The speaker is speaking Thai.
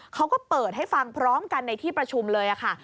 เขาก็เปิดให้ฟังพร้อมกันในที่ประชุมเลยค่ะ